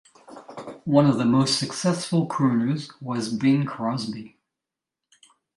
One of the most successful crooners was Bing Crosby.